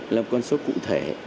là con số cụ thể